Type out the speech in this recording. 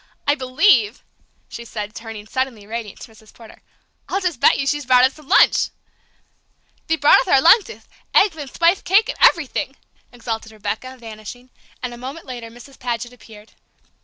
I believe," she said, turning, suddenly radiant, to Mrs. Porter, "I'll just bet you she's brought us some lunch!" "Thee brought uth our luncheth eggth and thpith caketh and everything!" exulted Rebecca, vanishing, and a moment later Mrs. Paget appeared.